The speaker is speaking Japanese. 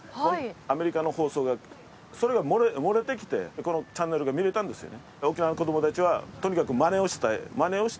アメリカの放送がそれが漏れてきてこのチャンネルが見れたんですよね。